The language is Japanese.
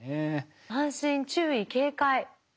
安心注意警戒。